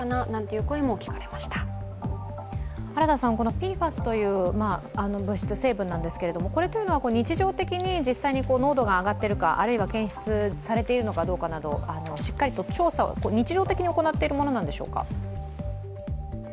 ＰＦＡＳという物質、成分なんですけれども、これというのは日常的に実際に濃度が上がっているか、あるいは検出されているかどうかなどしっかりと調査を日常的に行っているものなんでしょうか？